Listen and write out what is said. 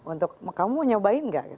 untuk kamu mau nyobain nggak